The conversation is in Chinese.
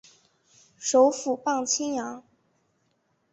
首府磅清扬。